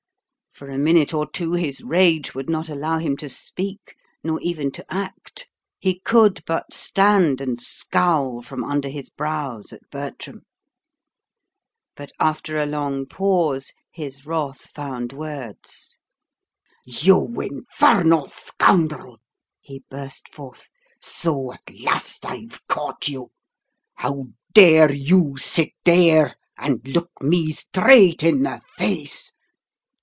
For a minute or two his rage would not allow him to speak, nor even to act; he could but stand and scowl from under his brows at Bertram. But after a long pause his wrath found words. "You infernal scoundrel!" he burst forth, "so at last I've caught you! How dare you sit there and look me straight in the face?